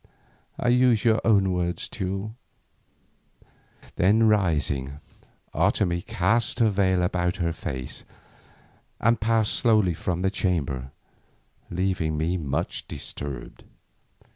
I use your own words, Teule!" Then rising, Otomie cast her veil about her face and passed slowly from the chamber, leaving me much disturbed.